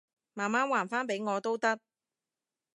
慢慢還返畀我都得